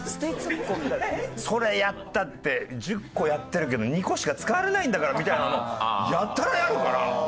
それやったって１０個やってるけど２個しか使われないんだからみたいなのをやたらやるから。